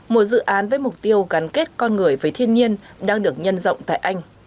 một dự án với mục tiêu gắn kết con người với thiên nhiên đang được nhân rộng tại anh